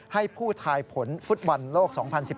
ให้ผู้ทายผลฟุตบอลโลก๒๐๑๘